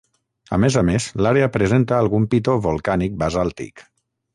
A més a més, l'àrea presenta algun pitó volcànic basàltic.